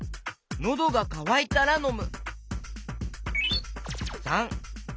のどがかわいたらのむ！